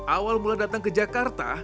awal mula datang ke jakarta